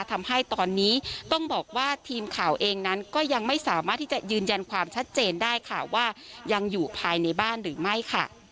ทำให้ตอนนี้ต้องบอกว่าทีมข่าวเองนั้นก็ยังไม่สามารถที่จะยืนยันความชัดเจนได้ค่ะว่ายังอยู่ภายในบ้านหรือไม่ค่ะ